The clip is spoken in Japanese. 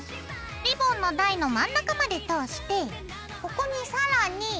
リボンの台の真ん中まで通してここに更に。